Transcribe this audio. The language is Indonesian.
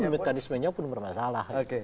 mekanismenya pun bermasalah